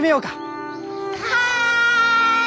はい！